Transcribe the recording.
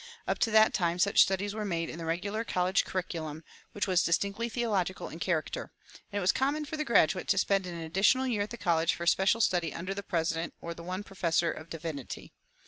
Up to that time such studies were made in the regular college curriculum, which was distinctly theological in character; and it was common for the graduate to spend an additional year at the college for special study under the president or the one professor of divinity.